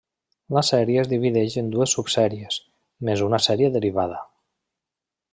La sèrie es divideix en dues subsèries, més una sèrie derivada.